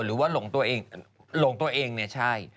หรือว่าหลงตัวเองหลงตัวเองเนี่ยใช่